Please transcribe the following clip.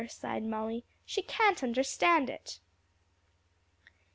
sighed Molly; "she can't understand it."